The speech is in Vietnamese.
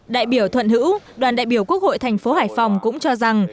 đại biểu thuận hữu đoàn đại biểu quốc hội tp hải phòng cũng cho rằng